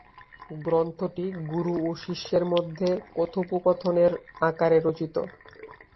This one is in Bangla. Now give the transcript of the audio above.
গ্রন্থটি গুরু ও শিষ্যের মধ্যে কথোপকথনের আকারে রচিত।